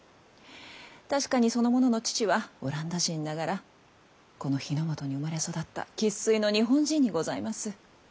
確かにその者の父はオランダ人ながらこの日の本に生まれ育った生っ粋の日本人にございます。